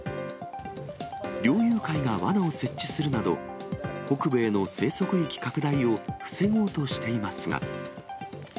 猟友会がわなを設置するなど、北部への生息域拡大を防ごうとしていますが。